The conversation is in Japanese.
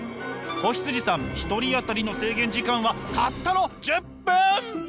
子羊さん１人当たりの制限時間はたったの１０分！